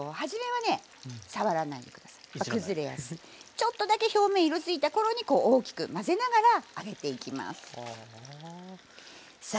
ちょっとだけ表面色づいた頃にこう大きく混ぜながら揚げていきます。